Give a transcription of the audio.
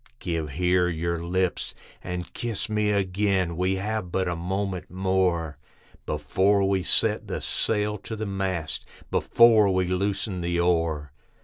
Give here your lips and kiss me again, we have but a moment more, Before we set the sail to the mast, before we loosen the oar.